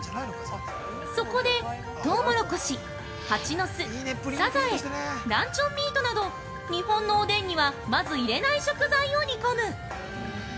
そこで、トウモロコシ、ハチノスサザエ、ランチョンミートなど日本のおでんにはまず入れない食材を煮込む。